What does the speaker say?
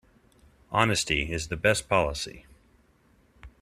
Honesty is the best policy.